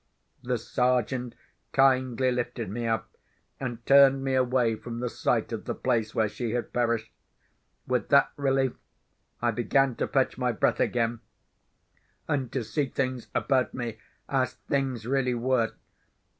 The Sergeant kindly lifted me up, and turned me away from the sight of the place where she had perished. With that relief, I began to fetch my breath again, and to see things about me, as things really were.